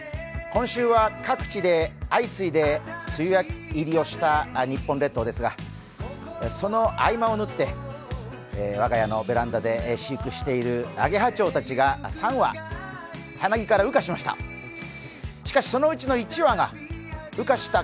今週は各地で相次いで梅雨入りをした日本列島ですがその合間を縫って、我が家のベランダで飼育しているアゲハチョウたちが３羽、サナギから羽化しました。